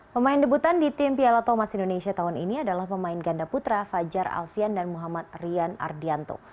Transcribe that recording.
pemain debutan di tim piala thomas indonesia tahun ini adalah pemain ganda putra fajar alfian dan muhammad rian ardianto